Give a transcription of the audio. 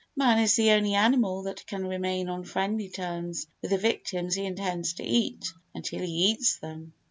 Man is the only animal that can remain on friendly terms with the victims he intends to eat until he eats them.